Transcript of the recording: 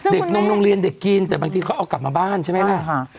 นมโรงเรียนเด็กกินแต่บางทีเขาเอากลับมาบ้านใช่ไหมล่ะ